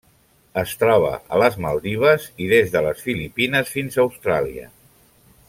Es troba a les Maldives i des de les Filipines fins a Austràlia.